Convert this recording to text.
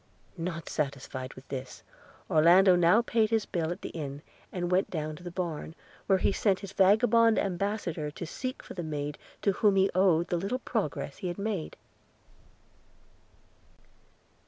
Not satisfied with this, Orlando now paid his bill at the inn, and went down to the barn, where he sent his vagabond ambassador to seek for the maid to whom he owed the little progress he had made.